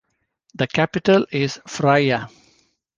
The capital is Fria.